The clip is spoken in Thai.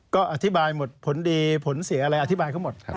ก็อธิบายหมดผลดีผลเสียอะไรอธิบายเขาหมดครับ